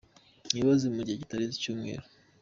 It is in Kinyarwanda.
Mwibaze: mu gihe kitarenze icyumweru.